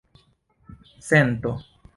sento